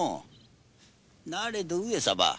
なれど上様